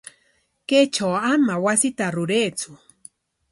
Kaytraw ama wasita ruraytsu.